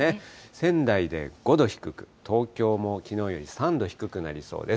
仙台で５度低く、東京もきのうより３度低くなりそうです。